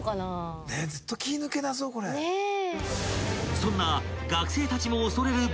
［そんな］